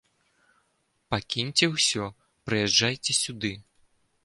Пакіньце ўсё, прыязджайце сюды.